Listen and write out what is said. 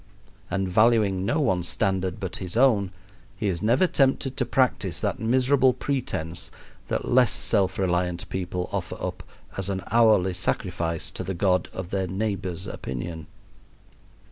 And valuing no one's standard but his own, he is never tempted to practice that miserable pretense that less self reliant people offer up as an hourly sacrifice to the god of their neighbor's opinion.